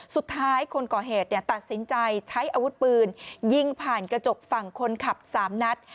คนก่อเหตุตัดสินใจใช้อาวุธปืนยิงผ่านกระจกฝั่งคนขับ๓นัด